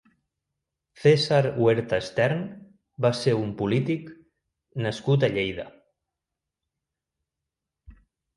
César Huerta Stern va ser un polític nascut a Lleida.